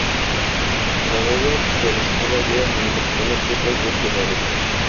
Graduado de la Escuela de Administración de Empresas de Ginebra.